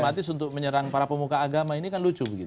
jadi itu harus untuk menyerang para pemuka agama ini kan lucu begitu